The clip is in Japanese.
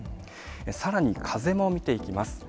さらに風も見ていきます。